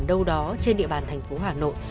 đâu đó trên địa bàn thành phố hà nội